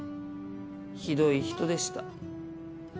ひどい人でした。